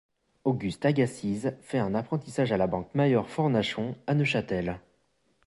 Auguste Agassiz fait un apprentissage à la banque Mayor-Fornachon à Neuchâtel.